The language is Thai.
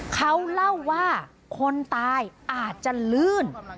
เขาเล่าว่าคนตายอาจจะลื่น